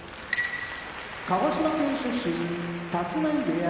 鹿児島県出身立浪部屋